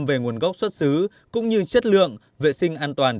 về nguồn gốc xuất hiện